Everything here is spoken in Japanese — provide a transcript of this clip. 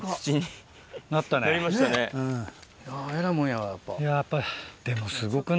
えらいもんややっぱ。